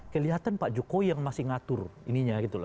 kelihatan pak jokowi yang masih ngatur ininya gitu loh